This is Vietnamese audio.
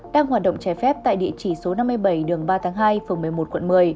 đang hoạt động trái phép tại địa chỉ số năm mươi bảy đường ba tháng hai phường một mươi một quận một mươi